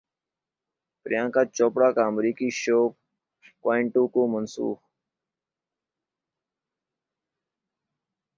پریانکا چوپڑا کا امریکی show Quantico منسوخ